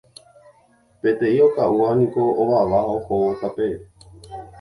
Peteĩ oka'úvaniko ovava ohóvo tapére